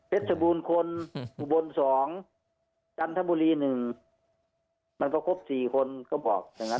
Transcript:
เพชรสบูรคนอุบลสองจันทบุรีหนึ่งมันก็ครบสี่คนก็บอก